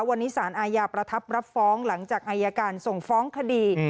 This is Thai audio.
วันนี้สารอาญาประทับรับฟ้องหลังจากอายการส่งฟ้องคดี